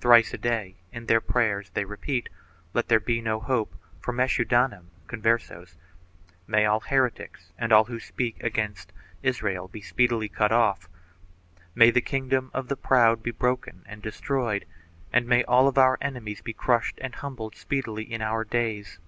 Thrice a day in their prayers they repeat "Let there be no hope for Meschudanim ( Converses); may all heretics and all who speak against Israel be speedily cut off; may the kingdom of the proud be broken and destroyed and may all our enemies be crushed and humbled speedily in our days!'